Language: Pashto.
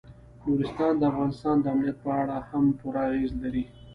نورستان د افغانستان د امنیت په اړه هم پوره اغېز لري.